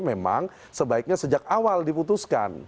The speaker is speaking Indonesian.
memang sebaiknya sejak awal diputuskan